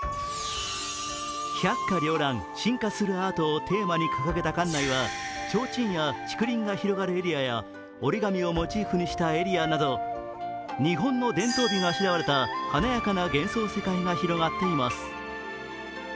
「百花繚乱進化するアート」をテーマに掲げた館内はちょうちんや竹林が広がるエリアや折り紙をモチーフにしたエリアなど日本の伝統美があしらわれた華やかな幻想世界が広がっています。